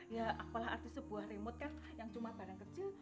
ya apalah arti sebuah remote kan yang cuma barang kecil